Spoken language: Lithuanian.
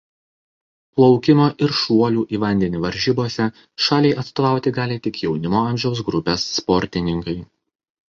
Plaukimo ir šuolių į vandenį varžybose šaliai atstovauti gali tik jaunimo amžiaus grupės sportininkai.